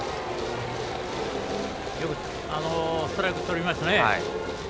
よくストライクとりましたね。